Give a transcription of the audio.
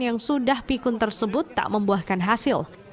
yang sudah pikun tersebut tak membuahkan hasil